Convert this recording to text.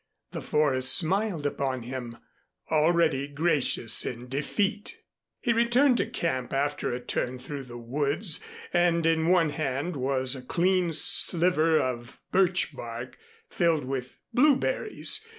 The forest smiled upon him, already gracious in defeat. He returned to camp after a turn through the woods, and in one hand was a clean sliver of birch bark, filled with blueberries.